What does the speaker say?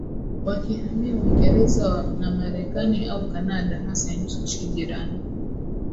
wakihamia Uingereza na Marekani au Kanada hasa nchi jirani